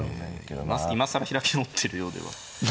今更開き直ってるようでは。